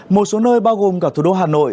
một số nơi bao gồm cả thủ đô hà nội